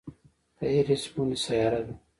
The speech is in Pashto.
د ایرېس بونې سیاره ده.